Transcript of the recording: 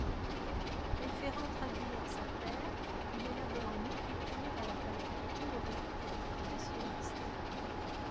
Préférant traduire sa terre, il élabore une écriture à la palette colorée et impressionniste.